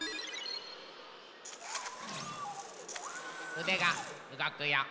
うでがうごくよ。